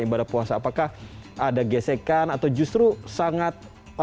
ibadah puasa apakah ada gesekan atau justru sangat